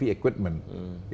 equipment yang berat